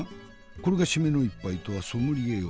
これが〆の一杯とはソムリエよ